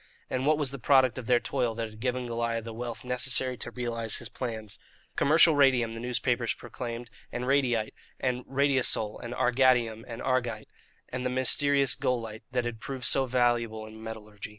And what was the product of their toil that had given Goliah the wealth necessary to realize his plans? Commercial radium, the newspapers proclaimed; and radiyte, and radiosole, and argatium, and argyte, and the mysterious golyte (that had proved so valuable in metallurgy).